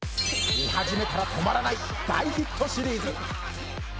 見始めたら止まらない大ヒットシリーズ。